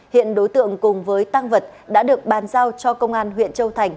hiện đối tượng cùng với tăng vật đã được bàn giao cho công an huyện châu thành